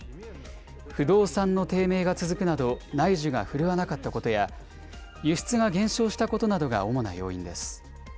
不動産の低迷が続くなど、内需が振るわなかったことや、輸出が減少したことなどが主な要因です。